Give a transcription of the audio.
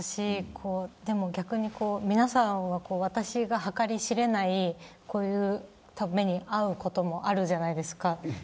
皆さんは、私が計り知れないこういう目に遭うこともあるじゃないですか。